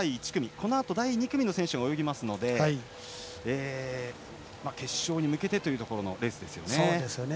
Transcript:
このあと第２組の選手が泳ぐので決勝に向けてというところのレースですよね。